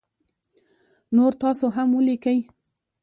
نور تاسو هم ولیکی